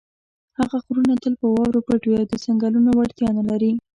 هغه غرونه تل په واورو پټ وي او د څنګلونو وړتیا نه لري.